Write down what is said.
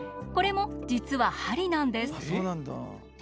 これも実は鍼なんです。